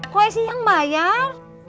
kue sih yang bayar